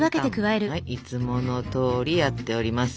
はいいつものとおりやっております。